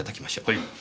はい。